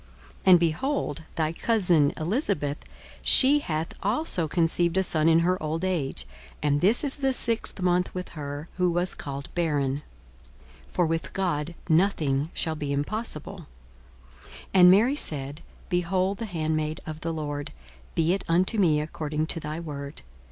42:001:036 And, behold, thy cousin Elisabeth, she hath also conceived a son in her old age: and this is the sixth month with her, who was called barren. 42:001:037 For with God nothing shall be impossible. 42:001:038 And Mary said, Behold the handmaid of the Lord; be it unto me according to thy word.